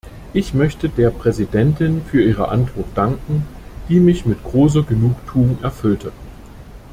Ich möchte der Präsidentin für ihre Antwort danken, die mich mit großer Genugtuung erfüllte.